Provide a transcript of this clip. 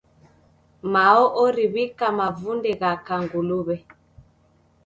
Mao oriw'ika mavunde gha kanguluw'e.